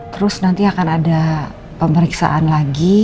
terus nanti akan ada pemeriksaan lagi